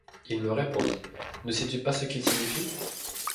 Il me répondit: Ne sais-tu pas ce qu'ils signifient?